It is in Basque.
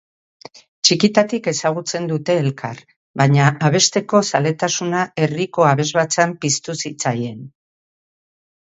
Txikitatik ezagutzen dute elkar, baina abesteko zaletasuna herriko abesbatzan piztu zitzaien.